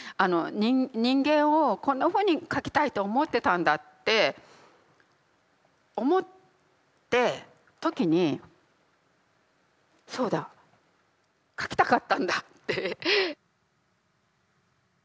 人間をこんなふうに書きたいと思ってたんだって思った時にそうだ書きたかったんだって。